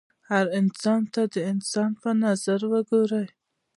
هر انسان ته د انسان په نظر ګوره